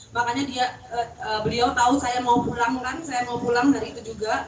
makanya beliau tahu saya mau pulangkan saya mau pulang dari itu juga